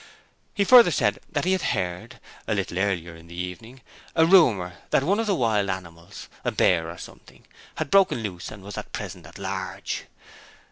He further said that he had heard a little earlier in the evening a rumour that one of the wild animals, a bear or something, had broken loose and was at present at large.